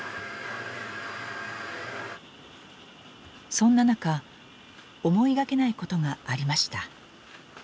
そんな中思いがけないことがありました。